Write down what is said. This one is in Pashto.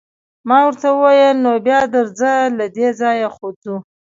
ما ورته وویل: نو بیا درځه، له دې ځایه ځو.